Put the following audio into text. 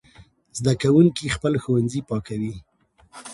زده کوونکي خپل ښوونځي پاکوي.